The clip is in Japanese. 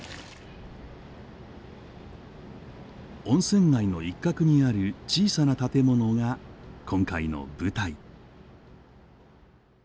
温泉街の一角にある小さな建物が今回の舞台。